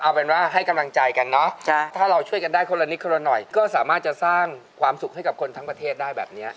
เอาเป็นว่าให้กำลังใจกันเนอะถ้าเราช่วยกันได้คนละนิดคนละหน่อยก็สามารถจะสร้างความสุขให้กับคนทั้งประเทศได้แบบนี้